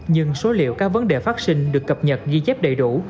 nhưng số liệu các vấn đề phát sinh được cập nhật ghi chép đầy đủ